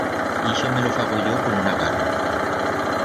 Ixo me lo fago yo con una garra.